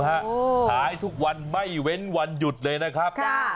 ขายทุกวันไม่เว้นวันหยุดเลยนะครับ